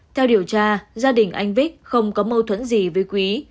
theo điều tra gia đình anh vích không có mâu thuẫn gì với quý